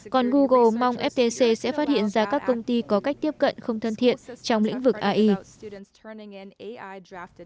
còn google mong ftc sẽ phát hiện ra các công ty có cách tiếp cận không thân thiện trong lĩnh vực ai